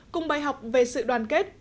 cùng bài học về sự đoàn kết